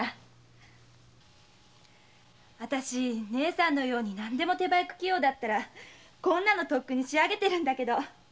姉さんのように手早く器用だったらこんなのとっくに仕上げてるんだけど。